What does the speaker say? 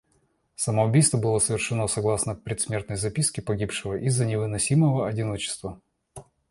Самоубийство было совершено согласно предсмертной записке погибшего из-за невыносимого одиночества.